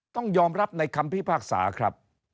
ต้องยอมรับในคำพิพากษาครับ